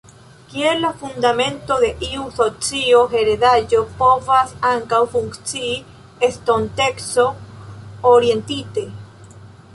Kiel la fundamento de iu socio heredaĵo povas ankaŭ funkcii estonteco-orientite.